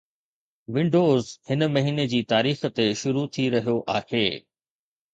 windows هن مهيني جي تاريخ تي شروع ٿي رهيو آهي